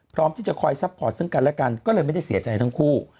พร้อมที่จะคอยซัพพอร์ตซึ่งกันและกันก็เลยไม่ได้เสียใจทั้งคู่